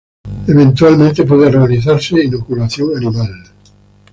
Eventualmente puede realizarse inoculación animal.